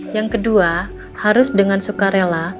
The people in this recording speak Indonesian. yang kedua harus dengan sukarela